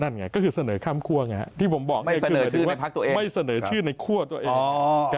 นั่นไงก็คือเสนอข้ามคั่วไงที่ผมบอกคือเสนอชื่อไม่เสนอชื่อในคั่วตัวเอง